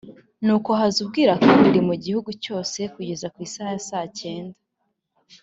“nuko haza ubwirakabiri mu gihugu cyose kugeza ku isaha ya cyenda